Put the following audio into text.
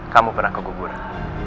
kamu pernah kekuburan